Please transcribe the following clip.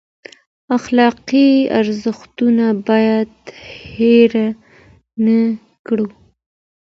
اخلاقي ارزښتونه باید هیر نه کړو.